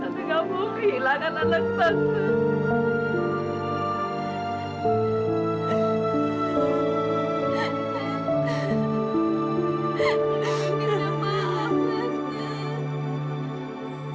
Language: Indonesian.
tante nggak mau kehilangan anak tante